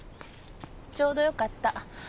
ちょうどよかった。